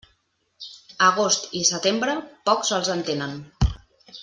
Agost i setembre, pocs els entenen.